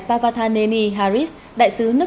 pavathaneni haris đại sứ nước